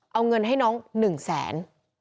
เอาเงินให้น้อง๑แสน